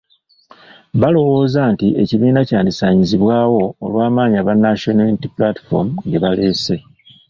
Balowooza nti ekibiina kyandisaanyizibwawo olw'amaanyi aba National Unity Platform ge baleese.